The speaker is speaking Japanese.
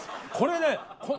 これね。